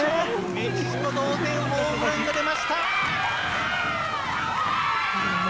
メキシコ同点ホームランが出ました。